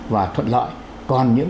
và thuận lợi còn những